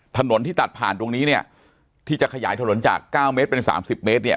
ถนนที่ตัดผ่านตรงนี้เนี่ยที่จะขยายถนนจาก๙เมตรเป็นสามสิบเมตรเนี่ย